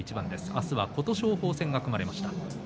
明日は琴勝峰戦が組まれました。